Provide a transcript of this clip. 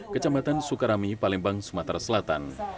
kecamatan sukarami palembang sumatera selatan